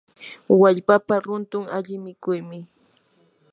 wallpapa runtun ali mikuymi.